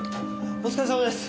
お疲れさまです。